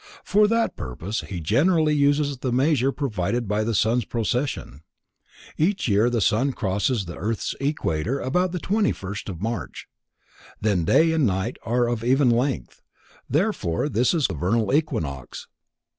For that purpose he generally uses the measure provided by the sun's precession: Each year the sun crosses the earth's equator about the twenty first of March. Then day and night are of even length, therefore this is called the Vernal equinox.